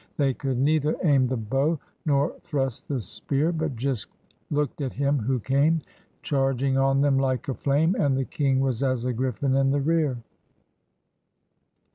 They could neither aim the bow, nor thrust the spear, But just looked at him who came Charging on them, like a flame. And the King was as a griflin in the rear.